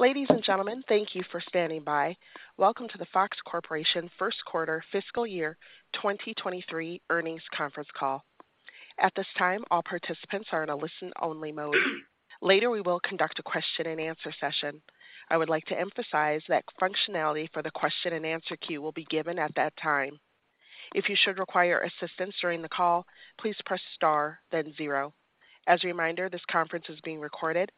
Ladies and gentlemen, thank you for standing by. Welcome to the Fox Corporation first quarter fiscal year 2023 earnings conference call. At this time, all participants are in a listen only mode. Later, we will conduct a question and answer session. I would like to emphasize that functionality for the question and answer queue will be given at that time. If you should require assistance during the call, please press star, then zero. As a reminder, this conference is being recorded.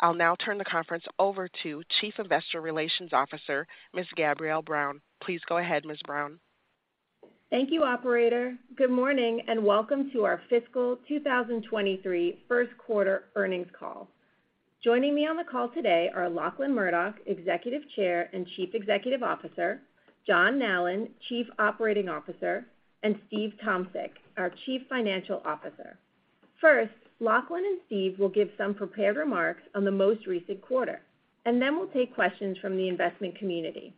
I'll now turn the conference over to Chief Investor Relations Officer, Ms. Gabrielle Brown. Please go ahead, Ms. Brown. Thank you, operator. Good morning and welcome to our fiscal 2023 first quarter earnings call. Joining me on the call today are Lachlan Murdoch, Executive Chair and Chief Executive Officer, John Nallen, Chief Operating Officer, and Steve Tomsic, our Chief Financial Officer. First, Lachlan and Steve will give some prepared remarks on the most recent quarter, and then we'll take questions from the investment community.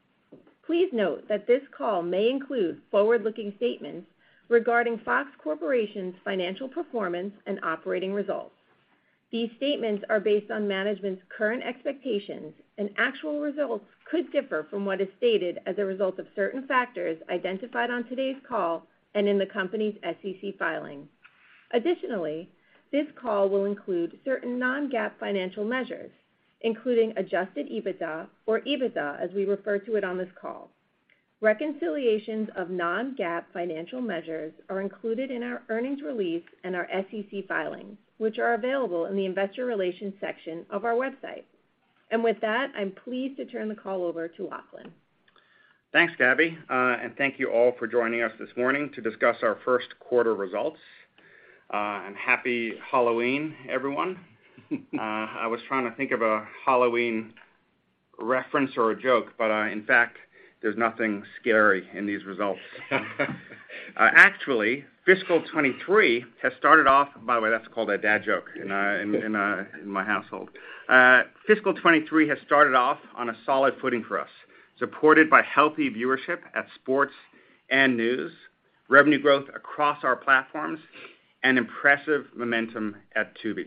Please note that this call may include forward-looking statements regarding Fox Corporation's financial performance and operating results. These statements are based on management's current expectations, and actual results could differ from what is stated as a result of certain factors identified on today's call and in the company's SEC filing. Additionally, this call will include certain non-GAAP financial measures, including Adjusted EBITDA or EBITDA, as we refer to it on this call. Reconciliations of non-GAAP financial measures are included in our earnings release and our SEC filings, which are available in the investor relations section of our website. With that, I'm pleased to turn the call over to Lachlan. Thanks, Gabby. Thank you all for joining us this morning to discuss our first quarter results. Happy Halloween, everyone. I was trying to think of a Halloween reference or a joke, but in fact, there's nothing scary in these results. Actually, fiscal 2023 has started off on a solid footing for us, supported by healthy viewership at sports and news, revenue growth across our platforms, and impressive momentum at Tubi.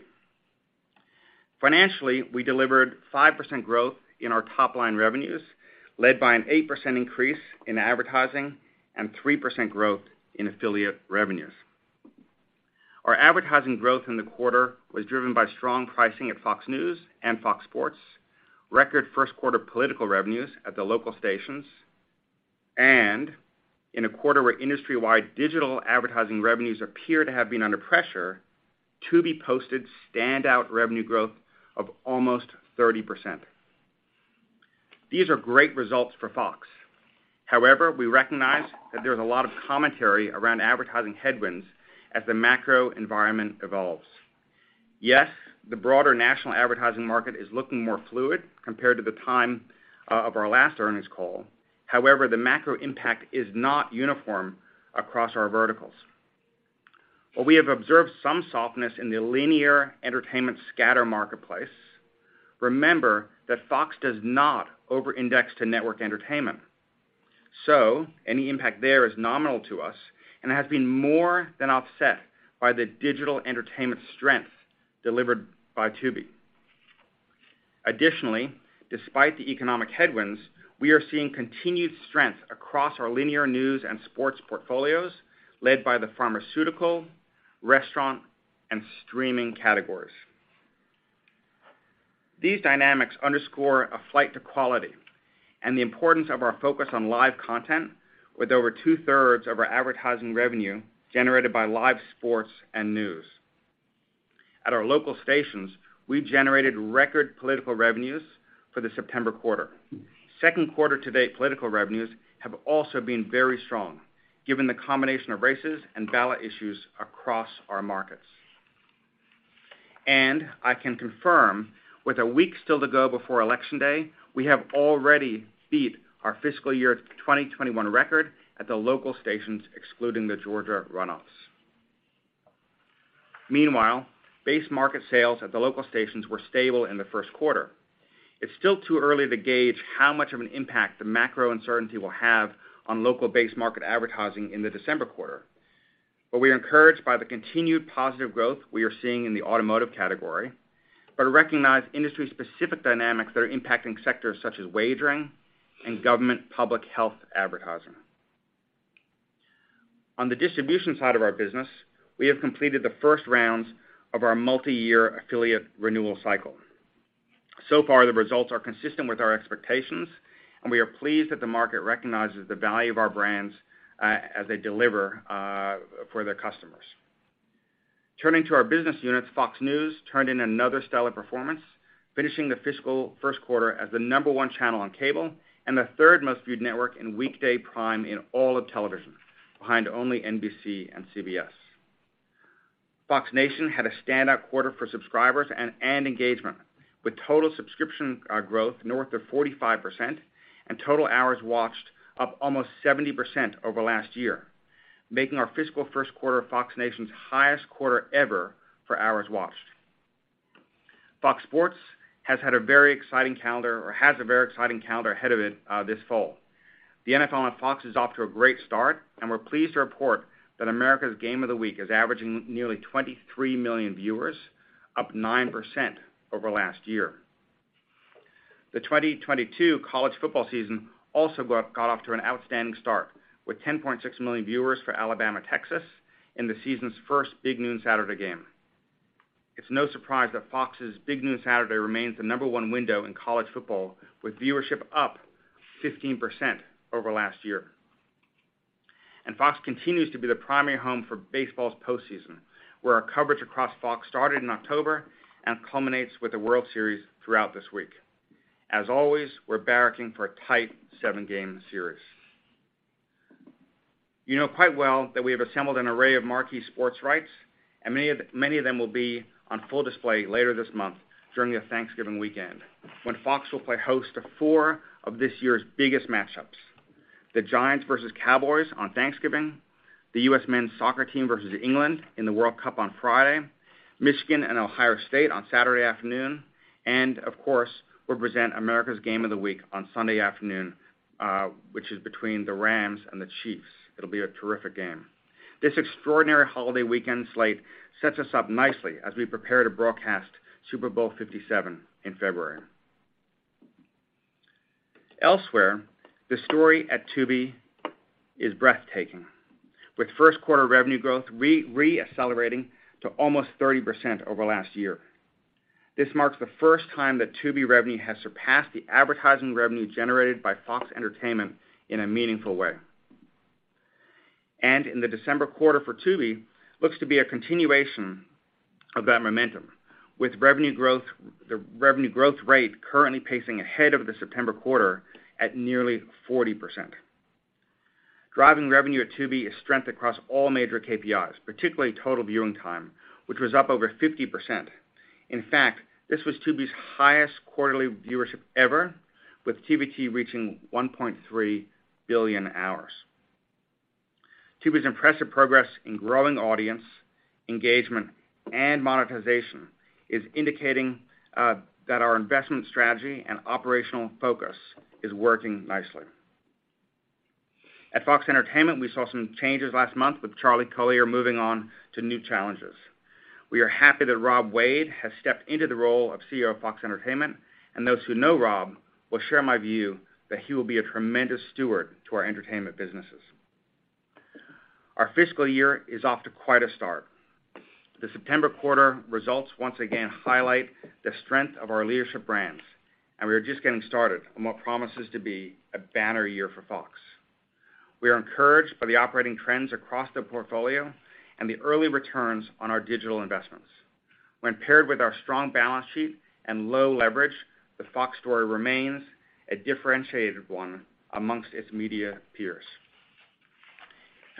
Financially, we delivered 5% growth in our top-line revenues, led by an 8% increase in advertising and 3% growth in affiliate revenues. Our advertising growth in the quarter was driven by strong pricing at Fox News and Fox Sports, record first quarter political revenues at the local stations, and in a quarter where industry-wide digital advertising revenues appear to have been under pressure, Tubi posted standout revenue growth of almost 30%. These are great results for Fox. However, we recognize that there's a lot of commentary around advertising headwinds as the macro environment evolves. Yes, the broader national advertising market is looking more fluid compared to the time of our last earnings call. However, the macro impact is not uniform across our verticals. While we have observed some softness in the linear entertainment scatter marketplace, remember that Fox does not over-index to network entertainment, so any impact there is nominal to us and has been more than offset by the digital entertainment strength delivered by Tubi. Additionally, despite the economic headwinds, we are seeing continued strength across our linear news and sports portfolios led by the pharmaceutical, restaurant, and streaming categories. These dynamics underscore a flight to quality and the importance of our focus on live content with over two-thirds of our advertising revenue generated by live sports and news. At our local stations, we generated record political revenues for the September quarter. Second quarter to date, political revenues have also been very strong, given the combination of races and ballot issues across our markets. I can confirm with a week still to go before election day, we have already beat our fiscal year 2021 record at the local stations, excluding the Georgia runoffs. Meanwhile, base market sales at the local stations were stable in the first quarter. It's still too early to gauge how much of an impact the macro uncertainty will have on local base market advertising in the December quarter. We are encouraged by the continued positive growth we are seeing in the automotive category, but recognize industry-specific dynamics that are impacting sectors such as wagering and government public health advertising. On the distribution side of our business, we have completed the first rounds of our multi-year affiliate renewal cycle. So far, the results are consistent with our expectations, and we are pleased that the market recognizes the value of our brands as they deliver for their customers. Turning to our business units, Fox News turned in another stellar performance, finishing the fiscal first quarter as the number one channel on cable and the third most viewed network in weekday prime in all of television, behind only NBC and CBS. Fox Nation had a standout quarter for subscribers and engagement, with total subscription growth north of 45% and total hours watched up almost 70% over last year, making our fiscal first quarter Fox Nation's highest quarter ever for hours watched. Fox Sports has a very exciting calendar ahead of it this fall. The NFL on Fox is off to a great start, and we're pleased to report that America's game of the week is averaging nearly 23 million viewers, up 9% over last year. The 2022 college football season also got off to an outstanding start with 10.6 million viewers for Alabama-Texas in the season's first Big Noon Saturday game. It's no surprise that Fox's Big Noon Saturday remains the number one window in college football with viewership up 15% over last year. Fox continues to be the primary home for baseball's postseason, where our coverage across Fox started in October and culminates with the World Series throughout this week. As always, we're barracking for a tight seven-game series. You know quite well that we have assembled an array of marquee sports rights, and many of them will be on full display later this month during the Thanksgiving weekend when Fox will play host to four of this year's biggest match-ups, the Giants versus Cowboys on Thanksgiving, the U.S. Men's Soccer Team versus England in the World Cup on Friday, Michigan and Ohio State on Saturday afternoon, and of course, we'll present America's game of the week on Sunday afternoon, which is between the Rams and the Chiefs. It'll be a terrific game. This extraordinary holiday weekend slate sets us up nicely as we prepare to broadcast Super Bowl LVII in February. Elsewhere, the story at Tubi is breathtaking, with first quarter revenue growth reaccelerating to almost 30% over last year. This marks the first time that Tubi revenue has surpassed the advertising revenue generated by Fox Entertainment in a meaningful way. In the December quarter for Tubi looks to be a continuation of that momentum with the revenue growth rate currently pacing ahead of the September quarter at nearly 40%. Driving revenue at Tubi is strength across all major KPIs, particularly total viewing time, which was up over 50%. In fact, this was Tubi's highest quarterly viewership ever, with TVT reaching 1.3 billion hours. Tubi's impressive progress in growing audience engagement and monetization is indicating that our investment strategy and operational focus is working nicely. At Fox Entertainment, we saw some changes last month with Charlie Collier moving on to new challenges. We are happy that Rob Wade has stepped into the role of CEO of Fox Entertainment, and those who know Rob will share my view that he will be a tremendous steward to our entertainment businesses. Our fiscal year is off to quite a start. The September quarter results once again highlight the strength of our leadership brands, and we are just getting started on what promises to be a banner year for Fox. We are encouraged by the operating trends across the portfolio and the early returns on our digital investments. When paired with our strong balance sheet and low leverage, the Fox story remains a differentiated one among its media peers.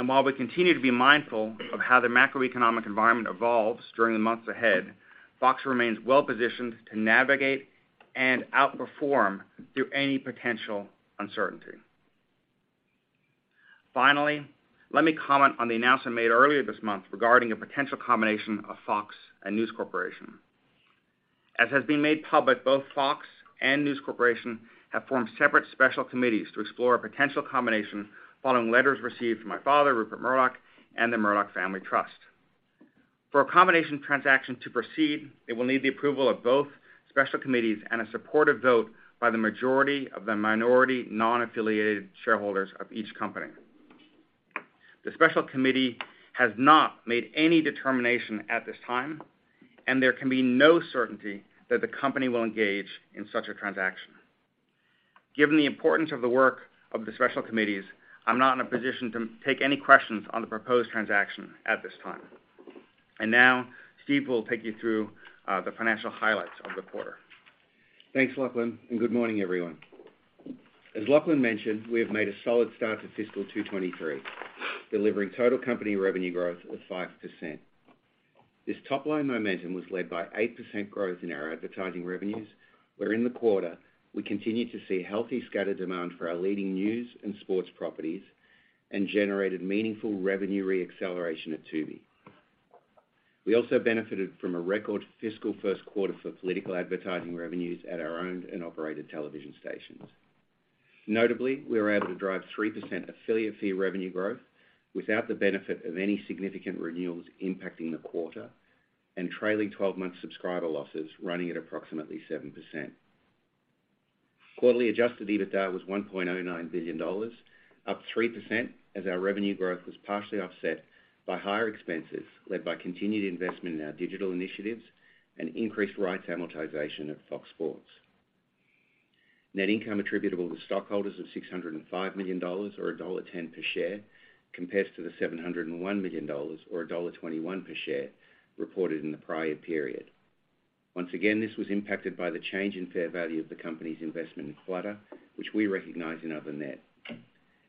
While we continue to be mindful of how the macroeconomic environment evolves during the months ahead, Fox remains well-positioned to navigate and outperform through any potential uncertainty. Finally, let me comment on the announcement made earlier this month regarding a potential combination of Fox and News Corporation. As has been made public, both Fox and News Corporation have formed separate special committees to explore a potential combination following letters received from my father, Rupert Murdoch, and the Murdoch Family Trust. For a combination transaction to proceed, it will need the approval of both special committees and a supportive vote by the majority of the minority non-affiliated shareholders of each company. The special committee has not made any determination at this time, and there can be no certainty that the company will engage in such a transaction. Given the importance of the work of the special committees, I'm not in a position to take any questions on the proposed transaction at this time. Now, Steve will take you through the financial highlights of the quarter. Thanks, Lachlan, and good morning, everyone. As Lachlan mentioned, we have made a solid start to fiscal 2023, delivering total company revenue growth of 5%. This top-line momentum was led by 8% growth in our advertising revenues, where in the quarter we continued to see healthy scatter demand for our leading news and sports properties and generated meaningful revenue reacceleration at Tubi. We also benefited from a record fiscal first quarter for political advertising revenues at our owned and operated television stations. Notably, we were able to drive 3% affiliate fee revenue growth without the benefit of any significant renewals impacting the quarter and trailing twelve-month subscriber losses running at approximately 7%. Quarterly Adjusted EBITDA was $1.09 billion, up 3% as our revenue growth was partially offset by higher expenses led by continued investment in our digital initiatives and increased rights amortization at Fox Sports. Net income attributable to stockholders of $605 million or $1.10 per share compares to the $701 million or $1.21 per share reported in the prior period. Once again, this was impacted by the change in fair value of the company's investment in Clutter, which we recognize in other net.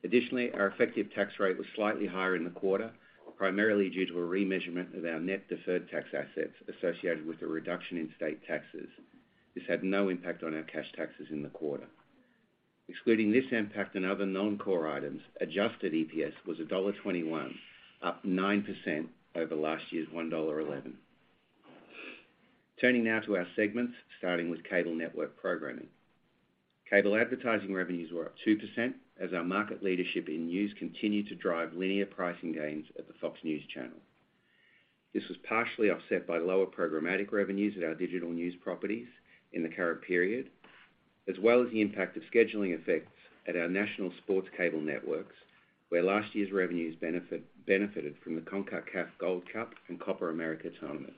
Additionally, our effective tax rate was slightly higher in the quarter, primarily due to a remeasurement of our net deferred tax assets associated with the reduction in state taxes. This had no impact on our cash taxes in the quarter. Excluding this impact and other non-core items, adjusted EPS was $1.21, up 9% over last year's $1.11. Turning now to our segments, starting with cable network programming. Cable advertising revenues were up 2% as our market leadership in news continued to drive linear pricing gains at the Fox News Channel. This was partially offset by lower programmatic revenues at our digital news properties in the current period, as well as the impact of scheduling effects at our national sports cable networks, where last year's revenues benefited from the CONCACAF Gold Cup and Copa América tournaments.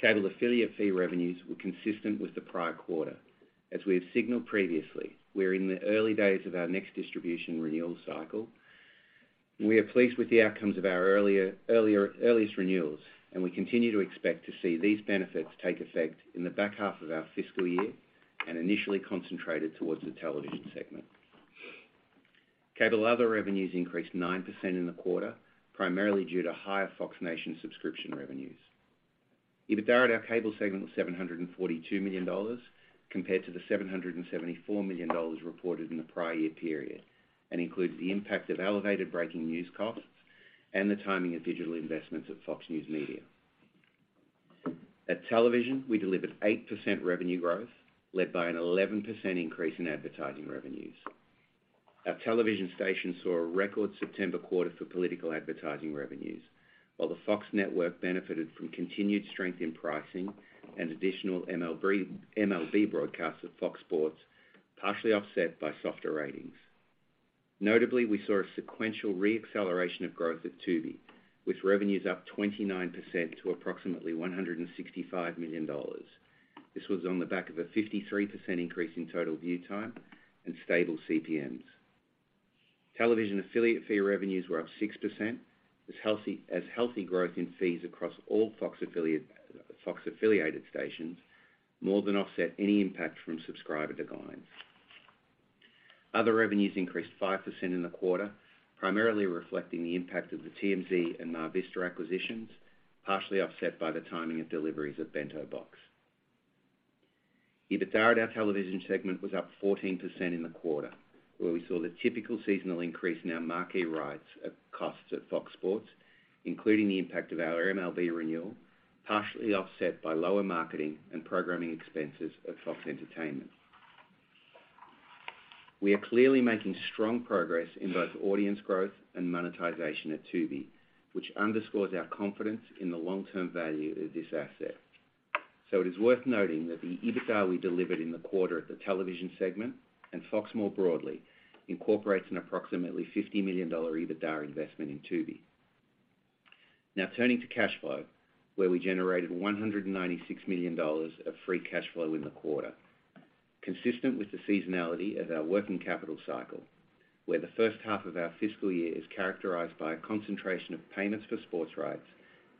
Cable affiliate fee revenues were consistent with the prior quarter. As we have signaled previously, we're in the early days of our next distribution renewal cycle, and we are pleased with the outcomes of our earliest renewals, and we continue to expect to see these benefits take effect in the back half of our fiscal year and initially concentrated towards the television segment. Cable other revenues increased 9% in the quarter, primarily due to higher Fox Nation subscription revenues. EBITDA at our cable segment was $742 million compared to the $774 million reported in the prior year period, and includes the impact of elevated breaking news costs and the timing of digital investments at Fox News Media. At television, we delivered 8% revenue growth, led by an 11% increase in advertising revenues. Our television station saw a record September quarter for political advertising revenues, while the Fox network benefited from continued strength in pricing and additional MLB broadcasts at Fox Sports, partially offset by softer ratings. Notably, we saw a sequential re-acceleration of growth at Tubi, with revenues up 29% to approximately $165 million. This was on the back of a 53% increase in total view time and stable CPMs. Television affiliate fee revenues were up 6% as healthy growth in fees across all Fox-affiliated stations more than offset any impact from subscriber declines. Other revenues increased 5% in the quarter, primarily reflecting the impact of the TMZ and MarVista acquisitions, partially offset by the timing of deliveries of Bento Box. EBITDA at our television segment was up 14% in the quarter, where we saw the typical seasonal increase in our marquee rights and costs at Fox Sports, including the impact of our MLB renewal, partially offset by lower marketing and programming expenses at Fox Entertainment. We are clearly making strong progress in both audience growth and monetization at Tubi, which underscores our confidence in the long-term value of this asset. It is worth noting that the EBITDA we delivered in the quarter at the television segment, and Fox more broadly, incorporates an approximately $50 million EBITDA investment in Tubi. Now turning to cash flow, where we generated $196 million of free cash flow in the quarter, consistent with the seasonality of our working capital cycle, where the first half of our fiscal year is characterized by a concentration of payments for sports rights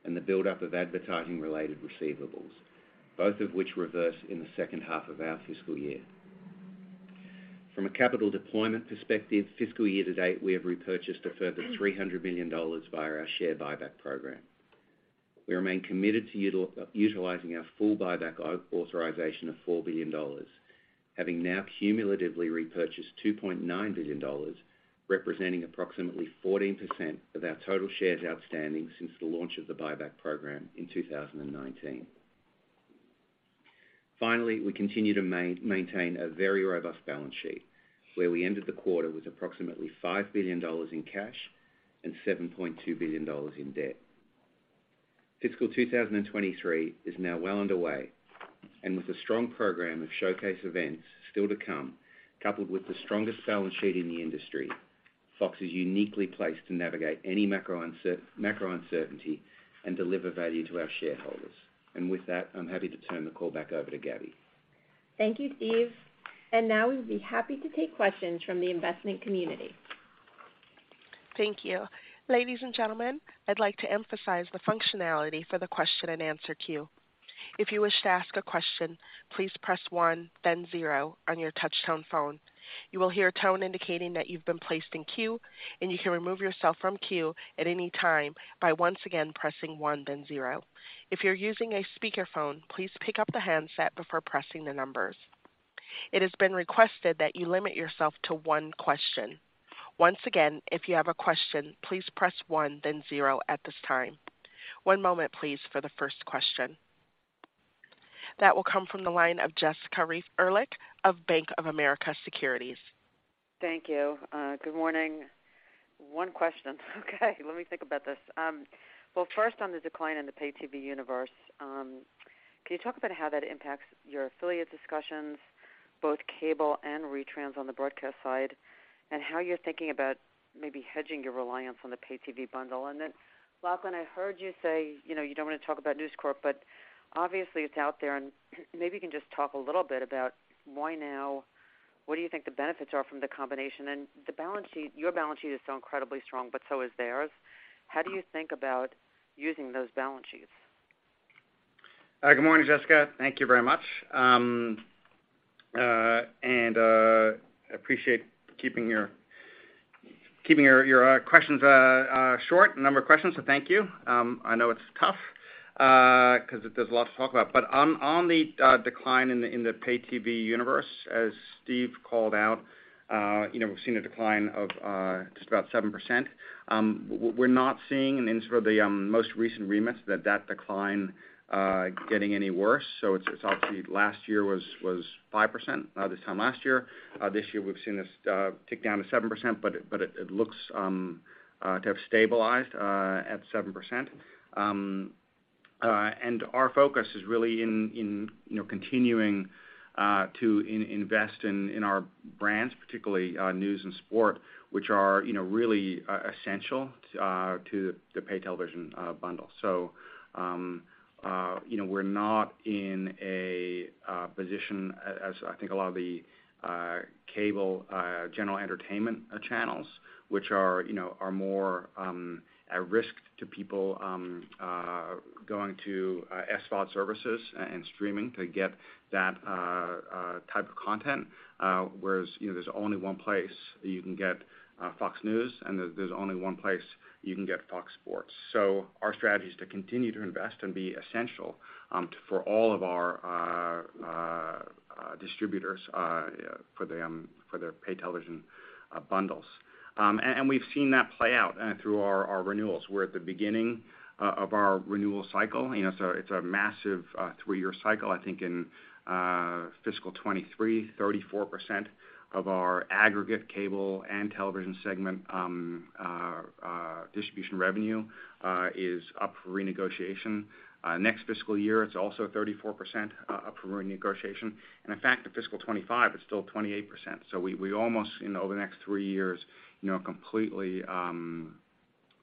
and the buildup of advertising-related receivables, both of which reverse in the second half of our fiscal year. From a capital deployment perspective, fiscal year-to-date, we have repurchased a further $300 million via our share buyback program. We remain committed to utilizing our full buyback authorization of $4 billion, having now cumulatively repurchased $2.9 billion, representing approximately 14% of our total shares outstanding since the launch of the buyback program in 2019. Finally, we continue to maintain a very robust balance sheet, where we ended the quarter with approximately $5 billion in cash and $7.2 billion in debt. Fiscal 2023 is now well underway, and with a strong program of showcase events still to come, coupled with the strongest balance sheet in the industry, Fox is uniquely placed to navigate any macro uncertainty and deliver value to our shareholders. With that, I'm happy to turn the call back over to Gabby. Thank you, Steve. Now we'll be happy to take questions from the investment community. Thank you. Ladies and gentlemen, I'd like to emphasize the functionality for the question-and-answer queue. If you wish to ask a question, please press one, then zero on your touch-tone phone. You will hear a tone indicating that you've been placed in queue, and you can remove yourself from queue at any time by once again pressing one, then zero. If you're using a speakerphone, please pick up the handset before pressing the numbers. It has been requested that you limit yourself to one question. Once again, if you have a question, please press one, then zero at this time. One moment, please, for the first question. That will come from the line of Jessica Reif Ehrlich of Bank of America Securities. Thank you. Good morning. One question. Okay, let me think about this. Well, first on the decline in the pay TV universe, can you talk about how that impacts your affiliate discussions, both cable and retrans on the broadcast side, and how you're thinking about maybe hedging your reliance on the pay TV bundle? Then Lachlan, I heard you say, you know, you don't wanna talk about News Corp, but obviously it's out there, and maybe you can just talk a little bit about why now, what do you think the benefits are from the combination? The balance sheet, your balance sheet is so incredibly strong, but so is theirs. How do you think about using those balance sheets? Good morning, Jessica. Thank you very much. Appreciate keeping your Keeping your questions short, a number of questions, so thank you. I know it's tough, 'cause there's a lot to talk about. On the decline in the pay TV universe, as Steve called out, you know, we've seen a decline of just about 7%. We're not seeing in sort of the most recent remits that decline getting any worse, so it's obviously last year was 5% this time last year. This year we've seen this tick down to 7%, but it looks to have stabilized at 7%. Our focus is really in, you know, continuing to invest in our brands, particularly News and Sports, which are, you know, really essential to the pay television bundle. We're not in a position as I think a lot of the cable general entertainment channels, which are, you know, more at risk to people going to SVOD services and streaming to get that type of content. Whereas, you know, there's only one place that you can get Fox News, and there's only one place you can get Fox Sports. Our strategy is to continue to invest and be essential for all of our distributors for their pay television bundles. We've seen that play out through our renewals. We're at the beginning of our renewal cycle. You know, it's a massive three-year cycle. I think in fiscal 2023, 34% of our aggregate cable and television segment distribution revenue is up for renegotiation. Next fiscal year, it's also 34% up for renegotiation. In fact, in fiscal 2025, it's still 28%. We almost, you know, over the next three years, you know, completely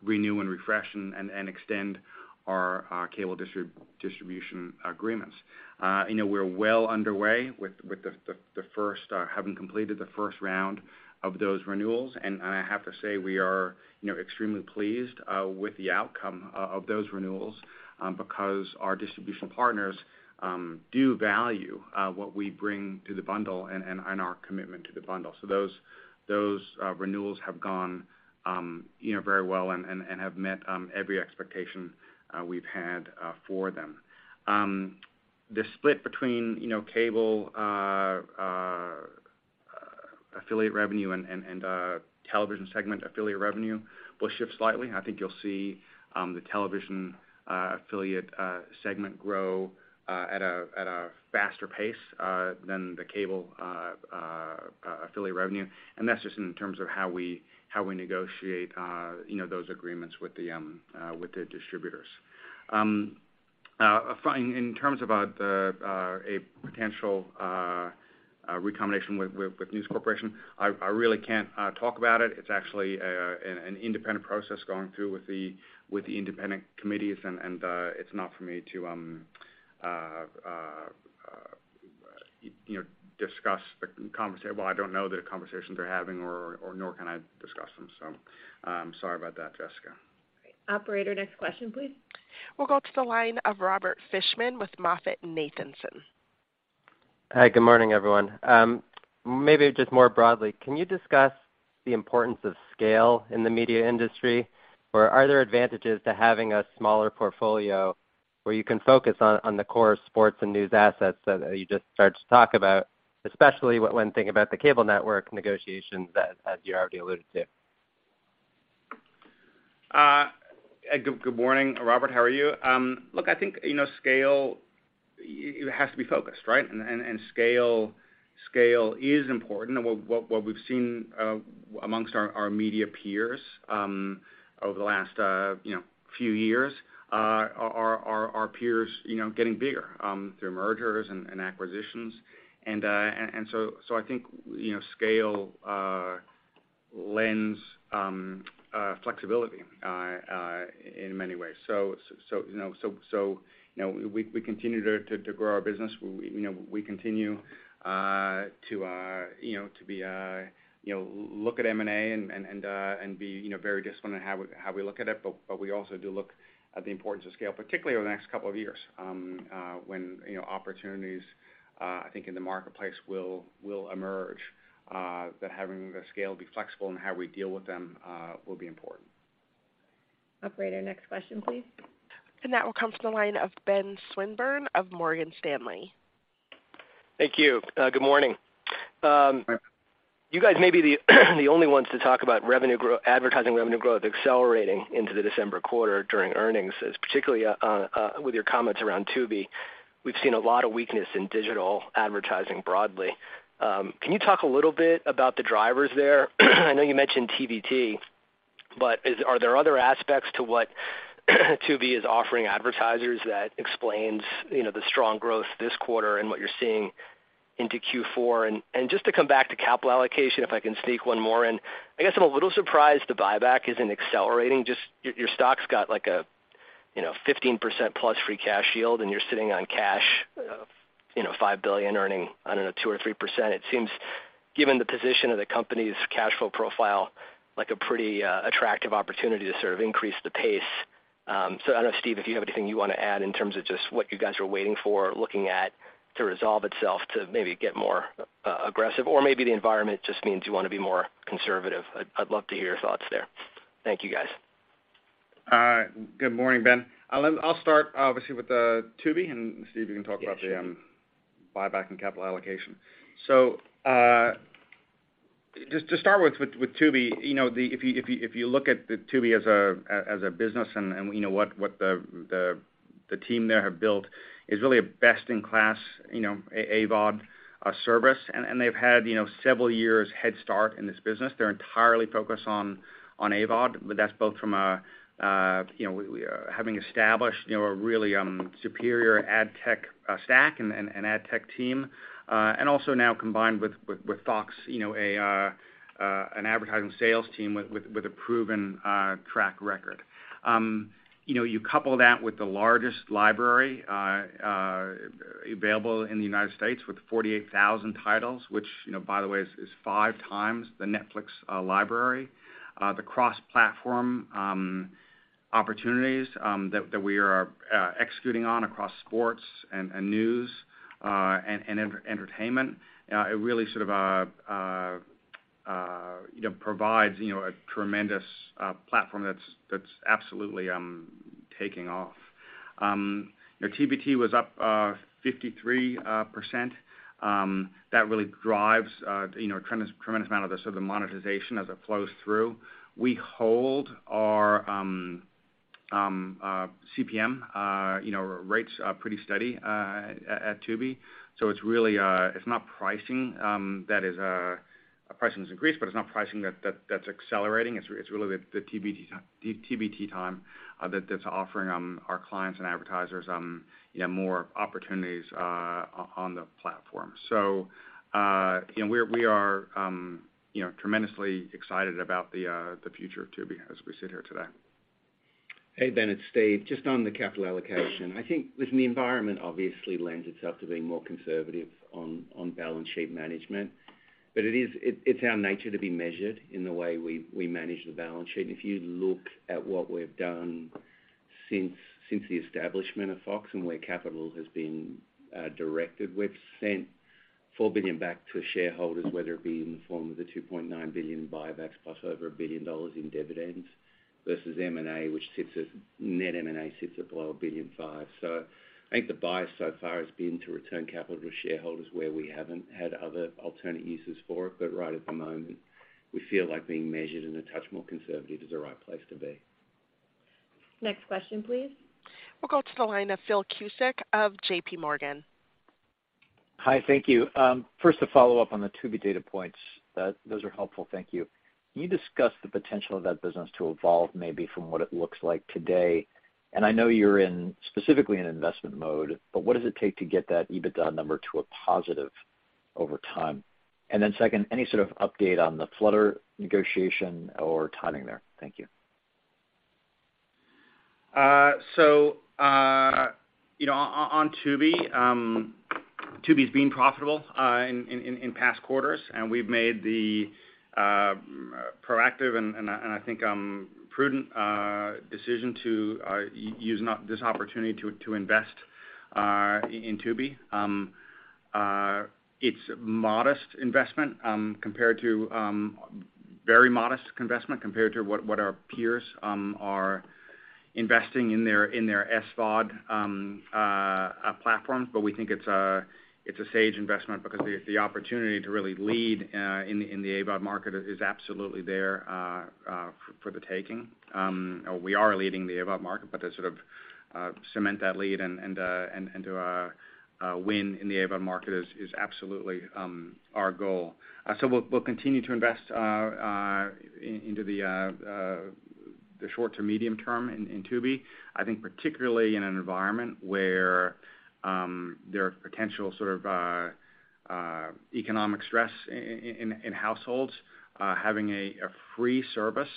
renew and refresh and extend our cable distribution agreements. You know, we're well underway with the first, having completed the first round of those renewals. I have to say we are, you know, extremely pleased with the outcome of those renewals because our distribution partners do value what we bring to the bundle and our commitment to the bundle. Those renewals have gone, you know, very well and have met every expectation we've had for them. The split between, you know, cable affiliate revenue and television segment affiliate revenue will shift slightly. I think you'll see the television affiliate segment grow at a faster pace than the cable affiliate revenue. That's just in terms of how we negotiate, you know, those agreements with the distributors. In terms of a potential recombination with News Corporation, I really can't talk about it. It's actually an independent process going through with the independent committees and it's not for me to, you know, discuss. Well, I don't know the conversations they're having or nor can I discuss them. I'm sorry about that, Jessica. Great. Operator, next question, please. We'll go to the line of Robert Fishman with MoffettNathanson. Hi, good morning, everyone. Maybe just more broadly, can you discuss the importance of scale in the media industry? Are there advantages to having a smaller portfolio where you can focus on the core sports and news assets that you just started to talk about, especially when thinking about the cable network negotiations that, as you already alluded to? Good morning, Robert. How are you? Look, I think, you know, scale, it has to be focused, right? Scale is important. What we've seen among our media peers over the last few years, our peers getting bigger through mergers and acquisitions. So I think, you know, scale lends flexibility in many ways. You know, we continue to grow our business. We continue to look at M&A and be very disciplined in how we look at it. We also do look at the importance of scale, particularly over the next couple of years, when you know opportunities I think in the marketplace will emerge that having the scale be flexible in how we deal with them will be important. Operator, next question, please. That will come to the line of Benjamin Swinburne of Morgan Stanley. Thank you. Good morning. Hi. You guys may be the only ones to talk about advertising revenue growth accelerating into the December quarter during earnings, as particularly with your comments around Tubi. We've seen a lot of weakness in digital advertising broadly. Can you talk a little bit about the drivers there? I know you mentioned TVT, but are there other aspects to what Tubi is offering advertisers that explains, you know, the strong growth this quarter and what you're seeing into Q4? Just to come back to capital allocation, if I can sneak one more in. I guess I'm a little surprised the buyback isn't accelerating. Just your stock's got like a, you know, 15%+ free cash yield, and you're sitting on cash, you know, $5 billion earning, I don't know, 2% or 3%. It seems, given the position of the company's cash flow profile, like a pretty attractive opportunity to sort of increase the pace. I don't know, Steve, if you have anything you wanna add in terms of just what you guys are waiting for, looking at to resolve itself to maybe get more aggressive or maybe the environment just means you wanna be more conservative. I'd love to hear your thoughts there. Thank you guys. Good morning, Ben. I'll start obviously with Tubi, and Steve, you can talk about the- Yeah, sure. buyback and capital allocation. Just to start with Tubi, you know, if you look at Tubi as a business and you know, what the team there have built is really a best-in-class, you know, AVOD service. They've had, you know, several years head start in this business. They're entirely focused on AVOD, but that's both from a, you know, having established, you know, a really superior ad tech stack and an ad tech team, and also now combined with Fox, you know, an advertising sales team with a proven track record. You know, you couple that with the largest library available in the United States with 48,000 titles, which, you know, by the way, is five times the Netflix library, the cross-platform opportunities that we are executing on across sports and news and entertainment. It really sort of you know provides you know a tremendous platform that's absolutely taking off. You know, Tubi was up 53%. That really drives you know a tremendous amount of the sort of monetization as it flows through. We hold our CPM you know rates pretty steady at Tubi. It's really not pricing that's accelerating. Pricing has increased, but it's not pricing that's accelerating. It's really the TVT time that's offering our clients and advertisers you know more opportunities on the platform. We are you know tremendously excited about the future of Tubi as we sit here today. Hey, Ben, it's Steve. Just on the capital allocation. I think listen, the environment obviously lends itself to being more conservative on balance sheet management. It is, it's our nature to be measured in the way we manage the balance sheet. If you look at what we've done since the establishment of Fox and where capital has been directed, we've sent $4 billion back to shareholders, whether it be in the form of the $2.9 billion buybacks plus over $1 billion in dividends versus M&A, which sits at net M&A below $1.5 billion. I think the bias so far has been to return capital to shareholders where we haven't had other alternate uses for it. Right at the moment, we feel like being measured and a touch more conservative is the right place to be. Next question, please. We'll go to the line of Philip Cusick of JP Morgan. Hi. Thank you. First to follow up on the Tubi data points, those are helpful. Thank you. Can you discuss the potential of that business to evolve maybe from what it looks like today? I know you're in, specifically in investment mode, but what does it take to get that EBITDA number to a positive over time? Second, any sort of update on the Flutter negotiation or timing there? Thank you. You know, on Tubi's been profitable in past quarters, and we've made the proactive and I think prudent decision to this opportunity to invest in Tubi. It's modest investment compared to very modest investment compared to what our peers are investing in their SVOD platforms. We think it's a sage investment because the opportunity to really lead in the AVOD market is absolutely there for the taking. We are leading the AVOD market, but to sort of cement that lead and to win in the AVOD market is absolutely our goal. We'll continue to invest into the short to medium term in Tubi. I think particularly in an environment where there are potential sort of economic stress in households, having a free service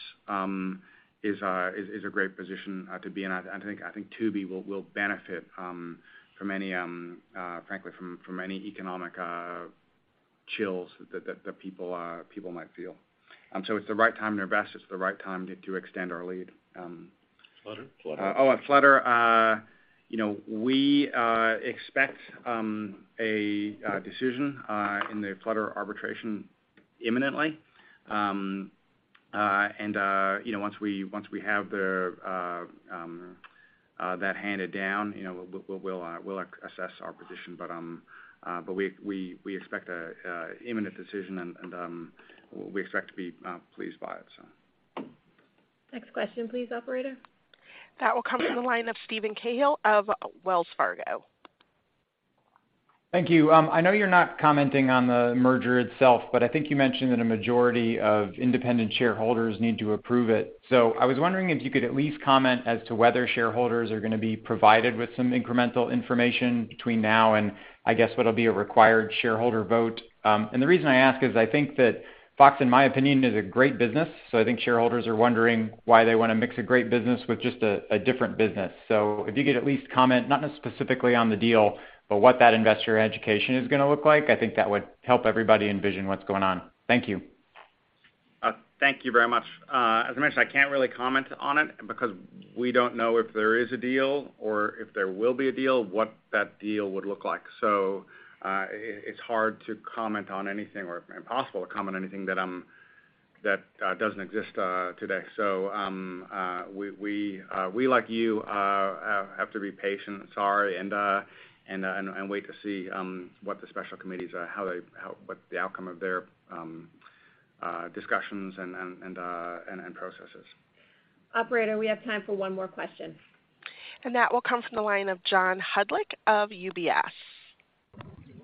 is a great position to be in. I think Tubi will benefit from any frankly from any economic chills that people might feel. It's the right time to invest. It's the right time to extend our lead. Flutter. Flutter. You know, we expect a decision in the Flutter arbitration imminently. You know, once we have that handed down, you know, we'll assess our position. But we expect an imminent decision and we expect to be pleased by it, so. Next question, please, operator. That will come from the line of Steven Cahall of Wells Fargo. Thank you. I know you're not commenting on the merger itself, but I think you mentioned that a majority of independent shareholders need to approve it. I was wondering if you could at least comment as to whether shareholders are gonna be provided with some incremental information between now and, I guess, what'll be a required shareholder vote. The reason I ask is I think that Fox, in my opinion, is a great business. I think shareholders are wondering why they wanna mix a great business with just a different business. If you could at least comment, not specifically on the deal, but what that investor education is gonna look like, I think that would help everybody envision what's going on. Thank you. Thank you very much. As I mentioned, I can't really comment on it because we don't know if there is a deal or if there will be a deal, what that deal would look like. It's hard to comment on anything or impossible to comment anything that doesn't exist today. We, like you, have to be patient, sorry, and wait to see what the special committees are, what the outcome of their discussions and processes. Operator, we have time for one more question. That will come from the line of John Hodulik of UBS.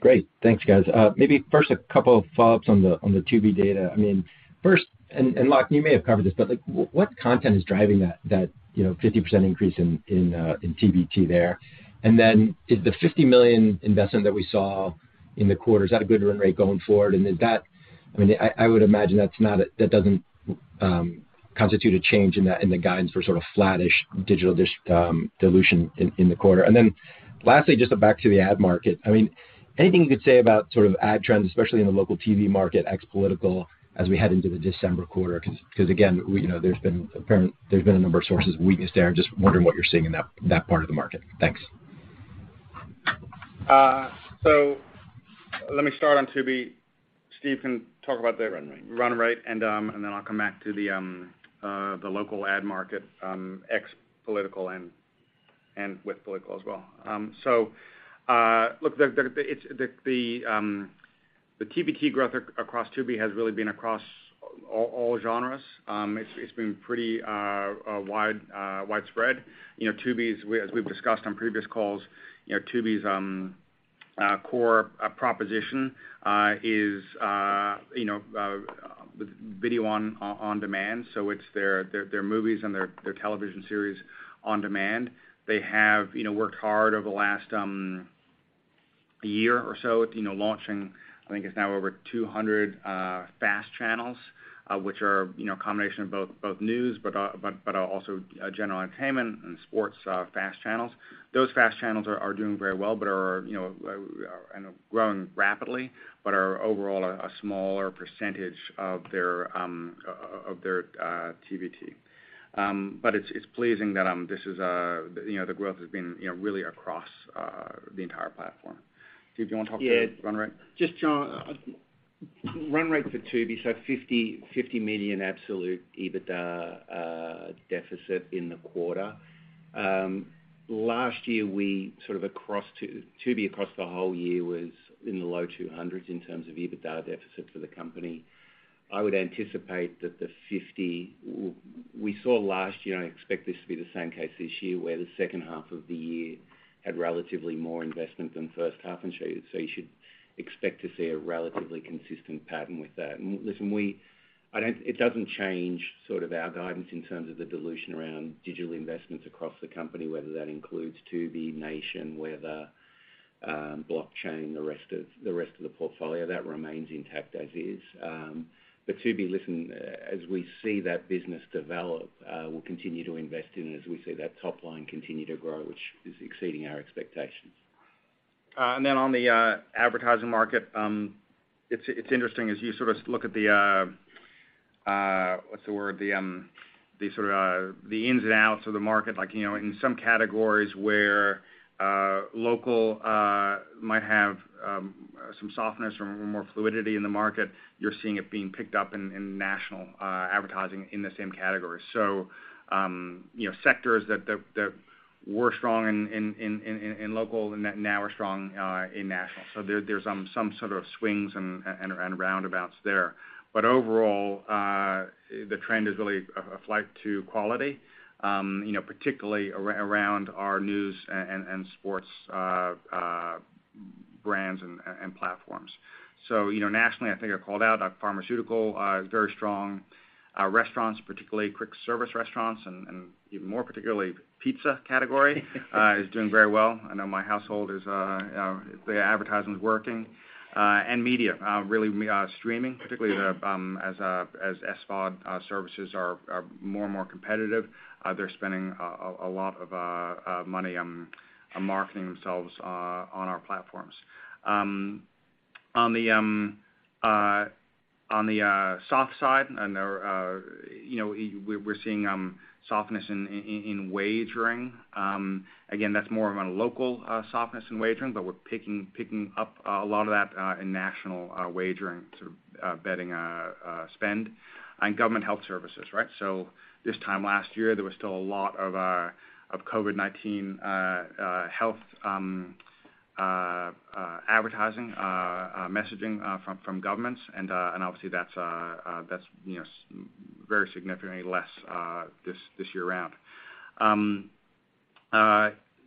Great. Thanks, guys. Maybe first a couple of follow-ups on the Tubi data. I mean, first, and Lach, you may have covered this, but like, what content is driving that you know, 50% increase in TVT there? And then did the $50 million investment that we saw in the quarter, is that a good run rate going forward? And did that I mean, I would imagine that's not a that doesn't constitute a change in the guidance for sort of flattish digital dilution in the quarter. And then lastly, just back to the ad market. I mean, anything you could say about sort of ad trends, especially in the local TV market, ex-political, as we head into the December quarter, 'cause again, we, you know, there's been a number of sources of weakness there. I'm just wondering what you're seeing in that part of the market. Thanks. Let me start on Tubi. Steve can talk about the run rate. Run rate and then I'll come back to the local ad market, ex-political and with political as well. The TVT growth across Tubi has really been across all genres. It's been pretty widespread. You know, Tubi's, as we've discussed on previous calls, you know, Tubi's core proposition is, you know, video on demand, it's their movies and their television series on demand. They have, you know, worked hard over the last year or so with, you know, launching, I think it's now over 200 fast channels, which are, you know, a combination of both news, but also general entertainment and sports fast channels. Those fast channels are doing very well but are, you know, growing rapidly, but are overall a smaller percentage of their TVT. It's pleasing that this is, you know, the growth has been, you know, really across the entire platform. Steve, do you wanna talk to the run rate? Yeah. Just, John, run rate for Tubi, so $50 million absolute EBITDA deficit in the quarter. Last year, we sort of across Tubi across the whole year was in the low $200s in terms of EBITDA deficit for the company. I would anticipate that. We saw last year, and I expect this to be the same case this year, where the second half of the year had relatively more investment than the first half, so you should expect to see a relatively consistent pattern with that. Listen, it doesn't change sort of our guidance in terms of the dilution around digital investments across the company, whether that includes Tubi, Nation, weather, blockchain, the rest of the portfolio. That remains intact as is. Tubi, listen, as we see that business develop, we'll continue to invest in it as we see that top line continue to grow, which is exceeding our expectations. On the advertising market, it's interesting as you sort of look at the what's the word? The sort of ins and outs of the market. Like, you know, in some categories where local might have some softness or more fluidity in the market, you're seeing it being picked up in national advertising in the same category. You know, sectors that were strong in local and now are strong in national. There's some sort of swings and roundabouts there. Overall, the trend is really a flight to quality, you know, particularly around our news and sports brands and platforms. You know, nationally, I think I called out our pharmaceutical very strong. Restaurants, particularly quick service restaurants and even more particularly pizza category, is doing very well. I know my household is, the advertising is working. Media really, streaming, particularly as SVOD services are more and more competitive, they're spending a lot of money on marketing themselves on our platforms. On the soft side, and there are, you know, we're seeing softness in wagering. Again, that's more of a local softness in wagering, but we're picking up a lot of that in national wagering, sort of betting spend. Government health services, right? This time last year, there was still a lot of COVID-19 health advertising messaging from governments. Obviously that's you know very significantly less this year around.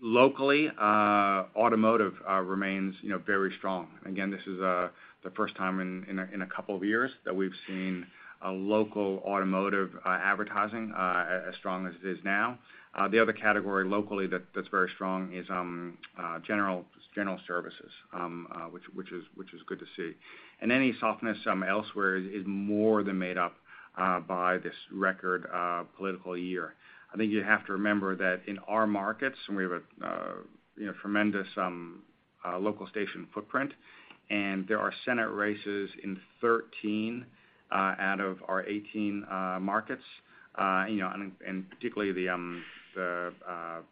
Locally, automotive remains you know very strong. Again, this is the first time in a couple of years that we've seen local automotive advertising as strong as it is now. The other category locally that's very strong is general services, which is good to see. Any softness elsewhere is more than made up by this record political year. I think you have to remember that in our markets, and we have a you know, tremendous local station footprint, and there are Senate races in 13 out of our 18 markets. You know, in particular the hard-fought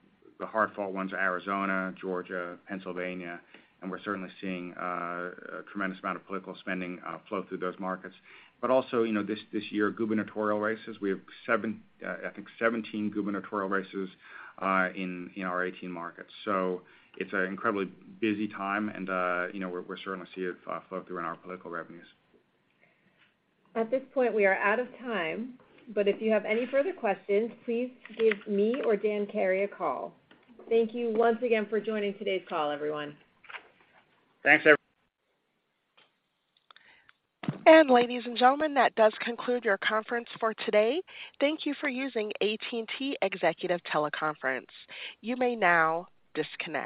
ones are Arizona, Georgia, Pennsylvania, and we're certainly seeing a tremendous amount of political spending flow through those markets. You know, this year, gubernatorial races, we have 7, I think 17 gubernatorial races in our 18 markets. It's an incredibly busy time and, you know, we're certainly seeing it flow through in our political revenues. At this point, we are out of time, but if you have any further questions, please give me or Dan Carey a call. Thank you once again for joining today's call, everyone. Thanks. Ladies and gentlemen, that does conclude your conference for today. Thank you for using AT&T Executive Teleconference. You may now disconnect.